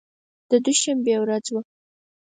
د دوشنبې ورځ وه.